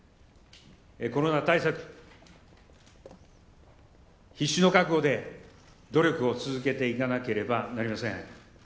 コロナ対策、必死の覚悟で努力を続けていかなくてはなりません。